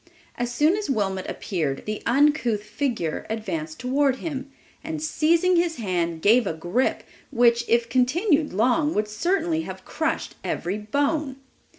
As soon as Wilmot appeared, the uncouth figure advanced toward him, and seizing his hand, gave a grip, which, if continued long, would certainly have crushed every bone!